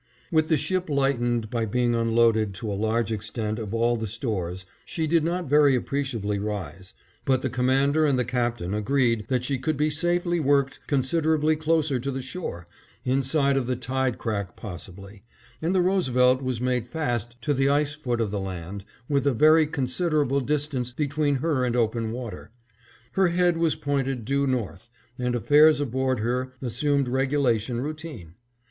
With the ship lightened, by being unloaded, to a large extent, of all of the stores, she did not very appreciably rise, but the Commander and the Captain agreed that she could be safely worked considerably closer to the shore, inside of the tide crack possibly; and the Roosevelt was made fast to the ice foot of the land, with a very considerable distance between her and open water. Her head was pointed due north, and affairs aboard her assumed regulation routine.